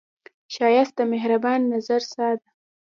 ښایست د مهربان نظر ساه ده